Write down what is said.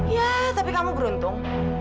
ya tapi kamu beruntung